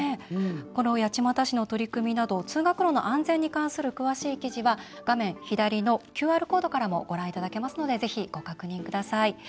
この八街市の取り組みなど通学路の安全に関する詳しい記事は画面左のＱＲコードからもご覧いただけますのでぜひ、ご確認ください。